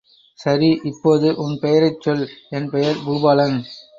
சரி, இப்போது உன் பெயரைச் சொல்! என் பெயர் பூபாலன்!